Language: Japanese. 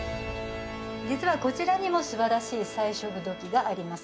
実はこちらにもすばらしい彩色土器があります